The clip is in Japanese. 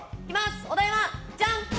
お題は、じゃん！